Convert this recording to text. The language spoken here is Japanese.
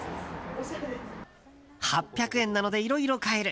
８００円なのでいろいろ買える。